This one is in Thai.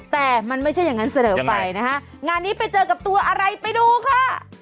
แต่มันไม่ใช่อย่างนั้นเสนอไปนะคะงานนี้ไปเจอกับตัวอะไรไปดูค่ะ